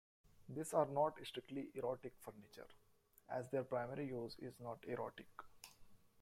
These are not strictly erotic furniture, as their primary use is not erotic.